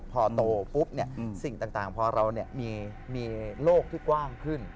พอโตปุ๊บสิ่งต่างพอเรามีโลกที่กว้างขึ้น